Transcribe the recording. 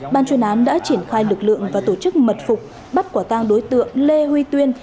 ban chuyên án đã triển khai lực lượng và tổ chức mật phục bắt quả tang đối tượng lê huy tuyên